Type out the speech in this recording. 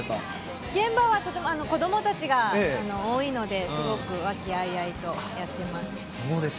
現場はとても、子どもたちが多いので、すごく和気あいあいとやってます。